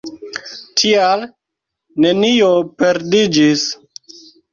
Tial, nenio perdiĝis.